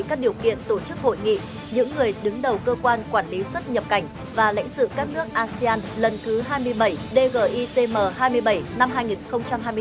các điều kiện tổ chức hội nghị những người đứng đầu cơ quan quản lý xuất nhập cảnh và lãnh sự các nước asean lần thứ hai mươi bảy dgicm hai mươi bảy năm hai nghìn hai mươi bốn